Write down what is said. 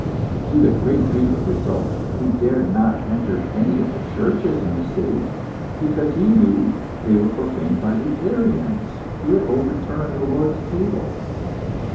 To the great grief of his soul, he dared not enter any of the churches in the city, because he knew they were profaned by the Arians, who had overturned the Lord's table.